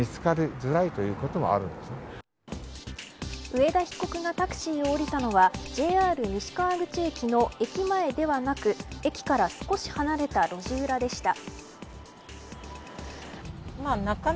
上田被告がタクシーを降りたのはＪＲ西川口駅からの駅前ではなく駅から少し離れた路地裏でした。